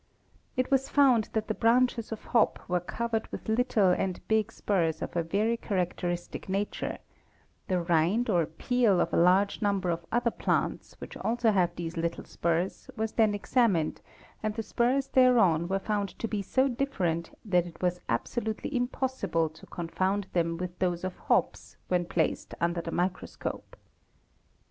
It was found that the branches of hop were covered with little and big spurs of a very charac ~ teristic nature; the rind or peel of a large number of other plants which also have these little spurs was then examined and the spurs thereon were found to be so different that it was absolutely impossible to confound them with those of hops when placed under the microscope.